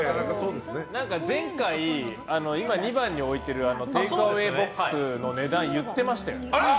前回、今２番に置いてるテイクアウェイボックスの値段言ってましたよね。